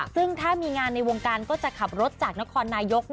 ซึ่งถ้ามีงานในวงการก็จะขับรถจากนครนายก